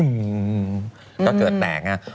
ก็เกิดแตกนะครับ